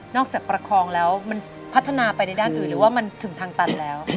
จากประคองแล้วมันพัฒนาไปในด้านอื่นหรือว่ามันถึงทางตันแล้ว